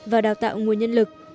và đào tạo nguồn nhân lực